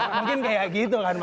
mungkin kayak gitu kan